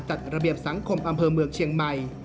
จัดระเบียบสังคมอำเภอเมืองเชียงใหม่